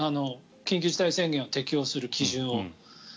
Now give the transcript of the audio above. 緊急事態宣言を適用する基準を。